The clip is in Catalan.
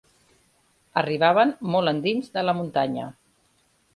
Arribaven molt endins de la muntanya